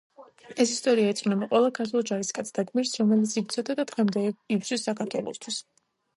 ეს ისტორია ეძღვნება ყველა ქართველ ჯარისკაცს და გმირს, რომელიც იბრძოდა და დღემდე იბრძვის საქართველოსთვის.